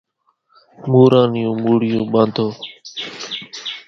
موران نِيون مُڙِيون ٻانڌو۔